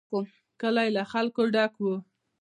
کلی له خلکو ډک و.